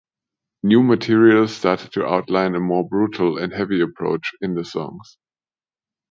New material started to outline a more brutal and heavy approach in the songs.